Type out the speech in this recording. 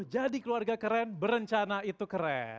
jadi keluarga keren berencana itu keren